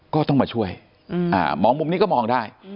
ก็ต้องมาช่วยมองมุมนี้ก็มองได้